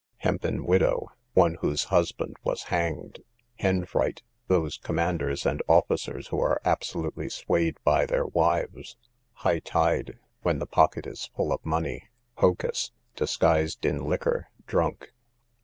Hempen widow, one whose husband was hanged. Henfright, those commanders and officers who are absolutely swayed by their wives. High tide, when the pocket is full of money. Hocus, disguised in liquor, drunk.